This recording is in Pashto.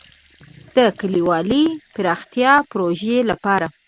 د کلیوالي پراختیا پروژې لپاره.